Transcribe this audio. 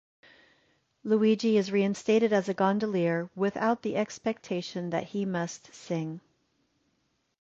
Luigi is reinstated as a gondolier, without the expectation that he must sing.